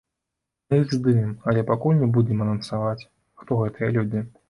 Мы іх здымем, але пакуль не будзем анансаваць, хто гэтыя людзі.